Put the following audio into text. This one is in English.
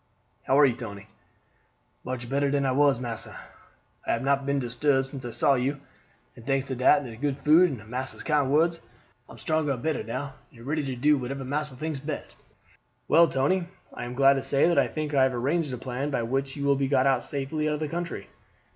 "How are you, Tony?" "Much better dan I was, massa. I hab not been disturbed since I saw you, and, thanks to dat and to de good food and to massa's kind words, I'm stronger and better now, and ready to do whatever massa think best." "Well, Tony, I am glad to say that I think I have arranged a plan by which you will be got safely out of the country.